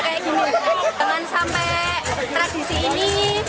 dengan sampai tradisi ini